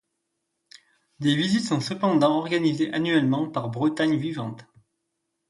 Des visites sont cependant organisées annuellement par Bretagne Vivante.